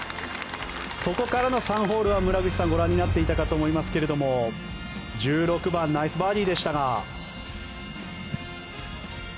そこからの３ホールは村口さんご覧になっていたかと思いますが１６番ナイスバーディーでした。